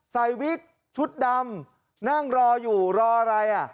ใส่วิกชุดดำนั่งรออยู่รออะไร